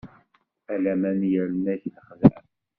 A laman yerna-k lexdeɛ.